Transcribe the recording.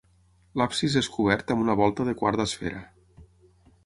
L'absis és cobert amb una volta de quart d'esfera.